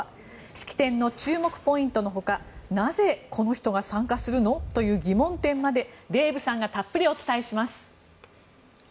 式典の注目ポイントのほかなぜこの人が参加するの？という疑問点までデーブさんがたっぷりお伝えします。